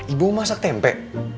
ibu masak tempe